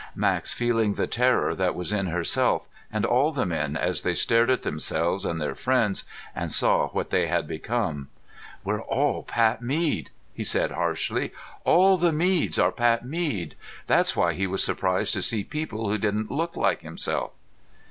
Max feeling the terror that was in herself and all the men as they stared at themselves and their friends and saw what they had become. "We're all Pat Mead," he said harshly. "All the Meads are Pat Mead. That's why he was surprised to see people who didn't look like himself."